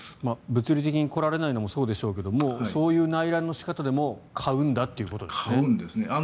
物理的に来られないのもそうでしょうけどそういう内覧の仕方でも買うんだということですね。